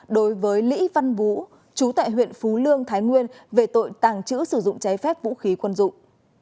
đối với lý văn bú chú tại huyện phú lương thái nguyên về tội tàng trữ sử dụng cháy phép vũ khí quân dụng